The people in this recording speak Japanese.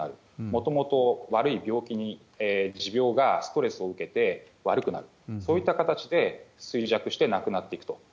もともと悪い病気に持病がストレスを受けて悪くなる、そういった形で衰弱して亡くなっていくと。